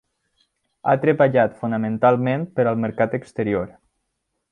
Ha treballat fonamentalment per al mercat exterior.